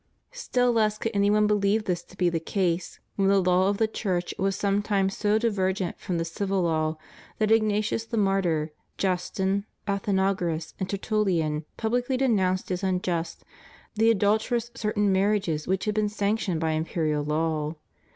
Still less could any one beheve this to be the case, when the law of the Church was sometimes so diver gent from the civil law that Ignatius the Martyr, Justin, Athenagoras, and Tertullian publicly denounced as unjust and adulterous certain marriages which had been sanc tioned by Imperial law.